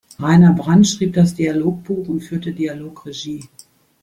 Rainer Brandt schrieb das Dialogbuch und führte Dialogregie.